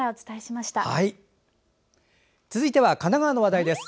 続いては神奈川の話題です。